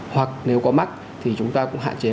hoặc nếu có mắc thì chúng ta cũng hạn chế